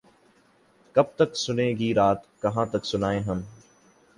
کب تک سنے گی رات کہاں تک سنائیں ہم